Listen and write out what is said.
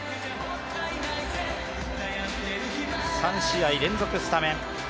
３試合連続スタメン。